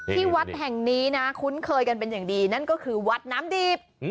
ที่วัดแห่งนี้นะคุ้นเคยกันเป็นอย่างดีนั่นก็คือวัดน้ำดิบ